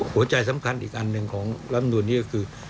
หัวใจสำคัญอีกอันหนึ่งของลำนูนนี้ก็คือ